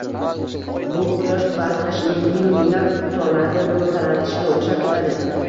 Bu quyosh barkashining ming-minglab torlarda nur taratishiga o`xshab ketadi